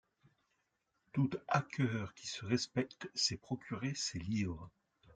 Tout hacker qui se respecte s’est procuré ces livres.